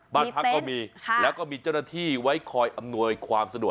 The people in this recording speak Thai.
บ้านพักก็มีแล้วก็มีเจ้าหน้าที่ไว้คอยอำนวยความสะดวก